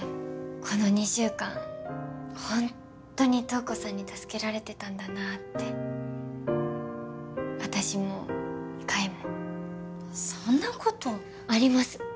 この２週間ホントに瞳子さんに助けられてたんだなって私も海もそんなことあります